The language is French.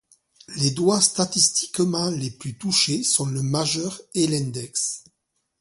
Les doigts statistiquement les plus touchés sont le majeur et l'index.